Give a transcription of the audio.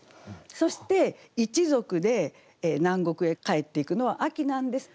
そして一族で南国へ帰っていくのは秋なんです。